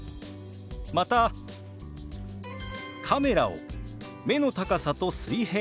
また「カメラを目の高さと水平にする」。